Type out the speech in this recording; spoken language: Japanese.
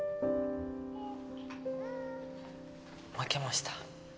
負けました